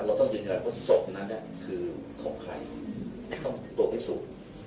เราต้องจัดการว่าศพนั้นเนี่ยคือของใครต้องตรวจให้สูง